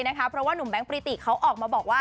เพราะว่านุ่มแบงคริติเขาออกมาบอกว่า